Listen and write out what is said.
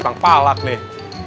pak palak deh